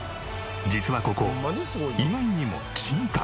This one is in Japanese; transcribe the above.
実はここ意外にも賃貸。